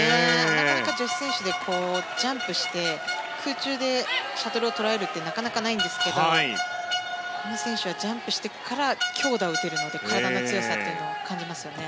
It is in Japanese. なかなか女子選手でジャンプして空中でシャトルを捉えるってなかなかないんですけどタン選手はジャンプしてから強打を打てるので体の強さを感じますよね。